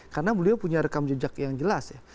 karena beliau punya rekam jejak yang jelas ya